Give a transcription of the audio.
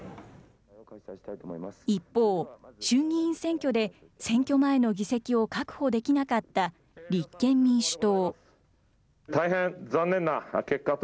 一方、衆議院選挙で選挙前の議席を確保できなかった立憲民主党。